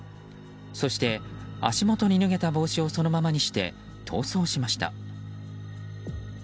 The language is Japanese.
そして、足元に脱げた帽子をそのままにして逃走しました。